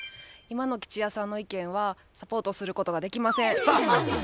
今の吉弥さんの意見はサポートすることができません。